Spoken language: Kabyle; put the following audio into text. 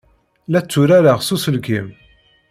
La tturareɣ s uselkim.